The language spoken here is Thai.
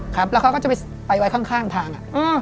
ครับแล้วเขาก็จะไปไว้ข้างทาง